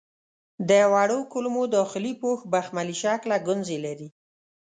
د وړو کولمو داخلي پوښ بخملي شکله ګونځې لري.